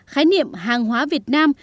khái niệm hàng hóa việt nam